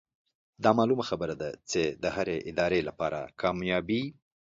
دا معلومه خبره ده چې د هرې ادارې لپاره کاميابي